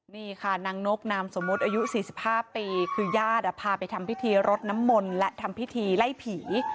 นี่ค่ะนางนกนามสมมุติอายุ๔๕ปีคือญาติพาไปทำพิธีรดน้ำมนต์และทำพิธีไล่ผี